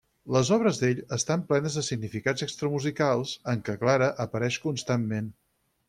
Les obres d'ell estan plenes de significats extramusicals, en què Clara apareix constantment.